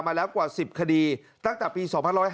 มาแล้วกว่า๑๐คดีตั้งแต่ปี๒๕๕๙